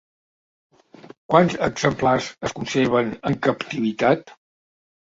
Quants exemplars es conserven en captivitat?